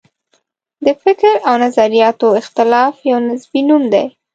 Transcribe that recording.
د فکر او نظریاتو اختلاف یو نصبي نوم دی.